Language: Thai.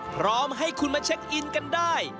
พร้อมให้คุณมาเช็คอินกันได้